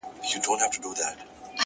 لوړ هدفونه ژوره ژمنتیا غواړي!